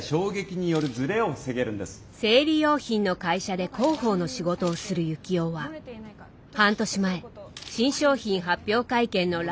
生理用品の会社で広報の仕事をする幸男は半年前新商品発表会見のライブ配信中。